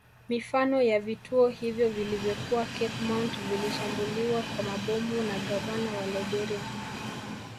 Mifano ya vituo hivyo vilivyokuwa Cape Mount vilishambuliwa kwa mabomu na gavana wa Liberia